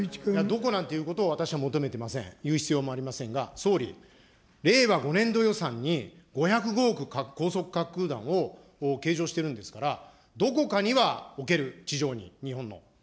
どこなんていうことを私は求めてません、言う必要もありませんが、総理、令和５年度予算に５０５億、高速滑空弾を計上してるんですから、どこかには置ける、地上に、日本の。